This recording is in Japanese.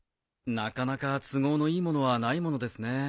なかなか都合のいいものはないものですね。